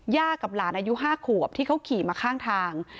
กับหลานอายุ๕ขวบที่เขาขี่มาข้างทาง